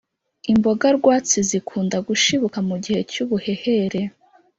Imboga rwatsi zikunda gushibuka mu gihe cy’ubuhehere.